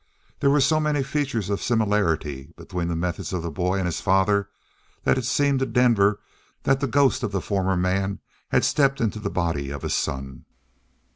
There were so many features of similarity between the methods of the boy and his father that it seemed to Denver that the ghost of the former man had stepped into the body of his son.